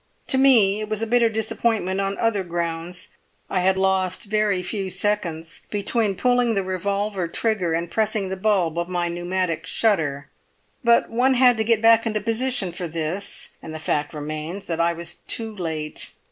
"To me it was a bitter disappointment on other grounds. I had lost very few seconds between pulling the revolver trigger and pressing the bulb of my pneumatic shutter; but one had to get back into position for this, and the fact remains that I was too late.